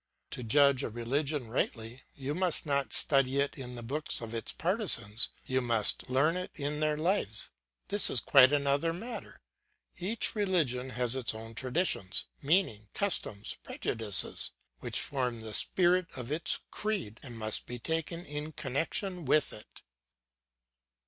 To judge a religion rightly, you must not study it in the books of its partisans, you must learn it in their lives; this is quite another matter. Each religion has its own traditions, meaning, customs, prejudices, which form the spirit of its creed, and must be taken in connection with it.